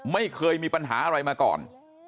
ไม่เคยมีปัญหาอะไรมาก่อน